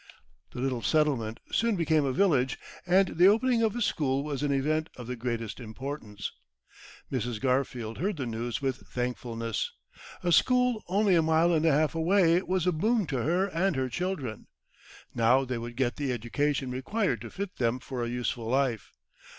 The little settlement soon became a village, and the opening of a school was an event of the greatest importance. Mrs. Garfield heard the news with thankfulness. A school only a mile and a half away was a boon to her and her children. Now they would get the education required to fit them for a useful life.